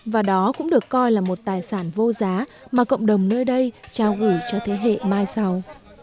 và đó cũng được coi là một tài sản vô giá mà cộng đồng nơi đây trao gửi cho thế hệ mai sau